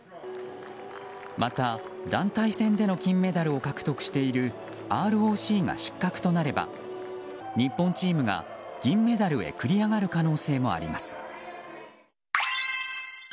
また、団体戦での金メダルを獲得しているＲＯＣが失格となれば日本チームが銀メダルへ繰り上がる可能性もあります。